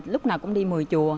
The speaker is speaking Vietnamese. lúc nào cũng đi một mươi chùa